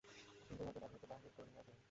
কিন্তু উহাকে বাড়ি হইতে বাহির করিয়া দেও।